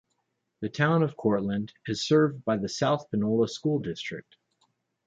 The Town of Courtland is served by the South Panola School District.